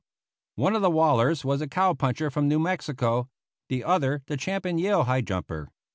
One of the Wallers was a cow puncher from New Mexico, the other the champion Yale high jumper.